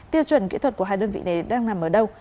tiêu chuẩn kỹ thuật của hai đơn vị này đang nằm ở đâu